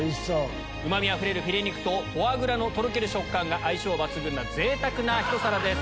うま味あふれるフィレ肉とフォアグラのとろける食感が相性抜群な贅沢なひと皿です。